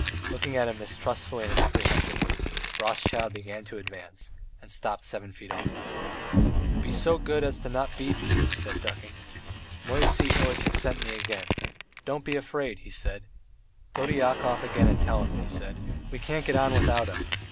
Looking at him mistrustfully and apprehensively, Rothschild began to advance, and stopped seven feet off. "Be so good as not to beat me," he said, ducking. "Moisey Ilyitch has sent me again. 'Don't be afraid,' he said; 'go to Yakov again and tell him,' he said, 'we can't get on without him.'